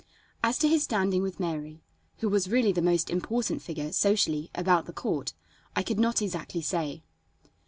As to his standing with Mary, who was really the most important figure, socially, about the court, I could not exactly say.